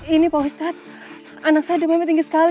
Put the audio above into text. ini pak ustadz anak saya demamnya tinggi sekali